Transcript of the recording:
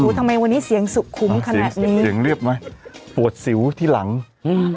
ทำไมวันนี้เสียงสุขุมขนาดนี้เสียงเรียบไหมปวดสิวที่หลังอืม